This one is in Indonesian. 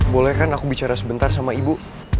boleh kan aku bicara sebentar sama ibu